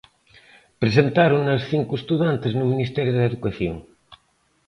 Presentáronas cinco estudantes no Ministerio de Educación.